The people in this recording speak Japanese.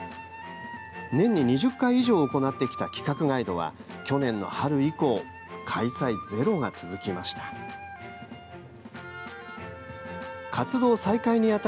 年に２０回以上行ってきた企画ガイドは去年の春以降開催ゼロが続きました。